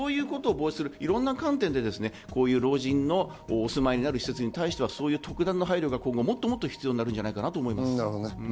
いろんな観点で老人がお住まいになる施設に関しては特段の配慮がもっともっと必要になるんじゃないかと思います。